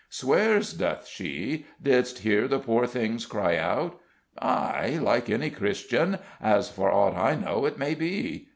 "Swears, doth she? Didst hear the poor thing cry out?" "Ay, like any Christian; as, for aught I know, it may be.